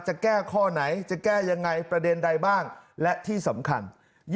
จะแก้ข้อไหนจะแก้ยังไงประเด็นใดบ้างและที่สำคัญ